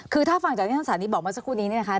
คือถ้าฟังจากนี้ทางศาลนี้บอกมาเมื่อสักครู่นี้นะคะ